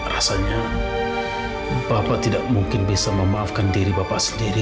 rasanya bapak tidak mungkin bisa memaafkan diri bapak sendiri